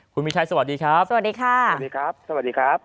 คุณมิชัยสวัสดีครับสวัสดีค่ะสวัสดีครับสวัสดีครับ